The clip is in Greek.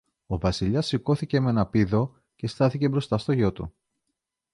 Ο Βασιλιάς σηκώθηκε μ' έναν πήδο και στάθηκε μπροστά στο γιο του